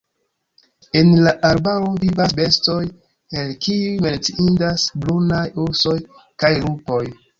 En la arbaro vivas bestoj, el kiuj menciindas brunaj ursoj kaj lupoj.